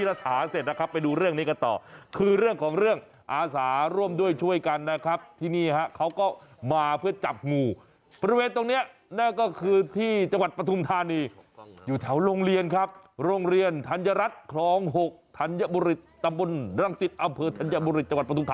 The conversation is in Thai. แล้วเห็นสาวสวยที่จับงูอยู่เนี่ยคนเดิมพี่รัฐา